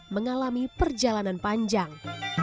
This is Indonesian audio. mengalami perjalanan panjang